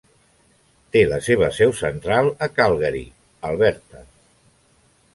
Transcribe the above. Té la seva seu central a Calgary, Alberta.